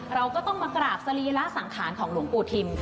เราก็ต้องมากราบสรีระสังขารของหลวงปู่ทิม